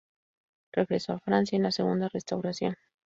Regresó a Francia en la segunda restauración.